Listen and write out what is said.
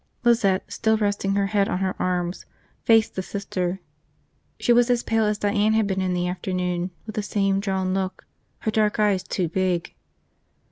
Lizette, still resting her head on her arms, faced the Sister. She was as pale as Diane had been in the afternoon, with the same drawn look, her dark eyes too big.